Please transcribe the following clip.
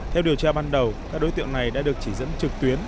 theo điều tra ban đầu các đối tượng này đã được chỉ dẫn trực tuyến